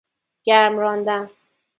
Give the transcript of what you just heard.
گرم راندن